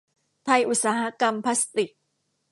ไทยอุตสาหกรรมพลาสติก